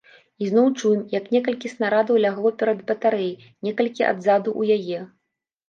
Ізноў чуем, як некалькі снарадаў лягло перад батарэяй, некалькі адзаду ў яе.